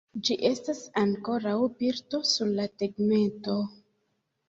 Ĝi estas ankoraŭ birdo sur la tegmento.